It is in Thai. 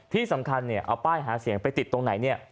ที่สำคัญเนี่ยเอาป้ายหาเสียงไปติดตรงไหนเนี่ย